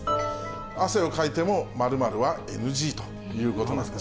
汗をかいても○○はＮＧということなんです。